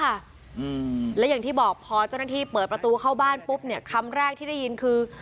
อืมและอย่างที่บอกพอเจ้าหน้าที่เปิดประตูเข้าบ้านปุ๊บเนี้ยคำแรกที่ได้ยินคือ